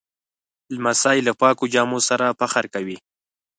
لمسی له پاکو جامو سره فخر کوي.